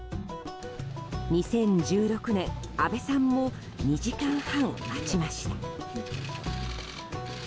２０１６年、安倍さんも２時間半待ちました。